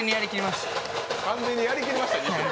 完全にやり切りました。